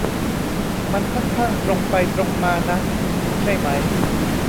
มันค่อนข้างตรงไปตรงมานะ ใช่ไหม